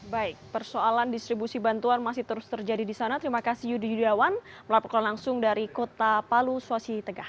baik persoalan distribusi bantuan masih terus terjadi di sana terima kasih yudi yudawan melaporkan langsung dari kota palu suasi tegah